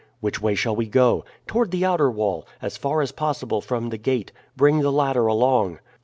"Which way shall we go?" "Toward the outer wall, as far as possible from the gate. Bring the ladder along."